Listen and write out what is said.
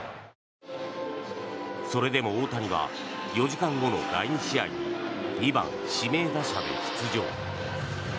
それでも大谷は４時間後の第２試合に２番指名打者で出場。